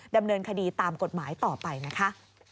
ดำเนินคดีตามกฎหมายต่อไปนะคะ